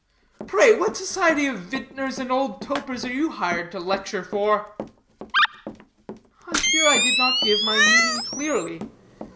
"Pray, what society of vintners and old topers are you hired to lecture for?" "I fear I did not give my meaning clearly.